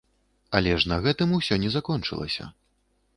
Але ж на гэтым усё не закончылася.